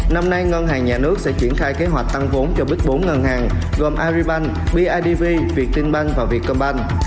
năm nay ngân hàng nhà nước sẽ chuyển khai kế hoạch tăng vốn cho bích bốn ngân hàng gồm acribank bidv việt tinh bank và việt cơm bank